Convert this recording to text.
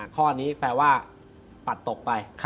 ข้อนี้แปลว่าปัดตกไป